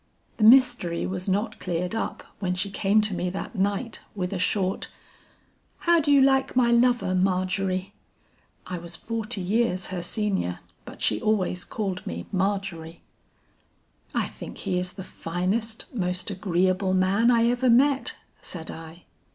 "The mystery was not cleared up when she came to me that night with a short, 'How do you like my lover, Margery?' I was forty years her senior, but she always called me Margery. "'I think he is the finest, most agreeable man I ever met,' said I.